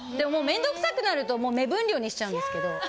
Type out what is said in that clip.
もう面倒くさくなると目分量にしちゃうんですけど。